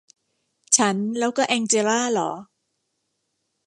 ฉันแล้วก็แองเจล่าหรอ